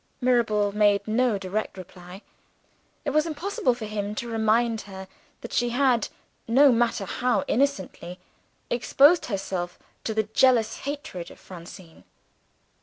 Mirabel made no direct reply. It was impossible for him to remind her that she had, no matter how innocently, exposed herself to the jealous hatred of Francine.